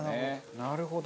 なるほど。